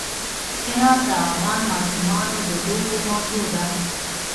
هرات د افغان ماشومانو د لوبو موضوع ده.